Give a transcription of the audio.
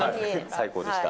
最高でした。